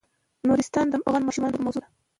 نورستان د افغان ماشومانو د لوبو موضوع ده.